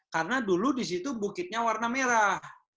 karena dulu di situ bukitnya warna merah